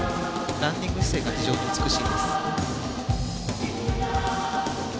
ランディング姿勢が非常に美しいです。